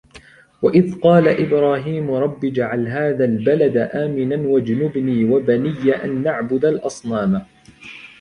وإذ قال إبراهيم رب اجعل هذا البلد آمنا واجنبني وبني أن نعبد الأصنام